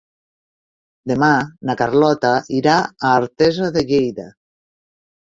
Demà na Carlota irà a Artesa de Lleida.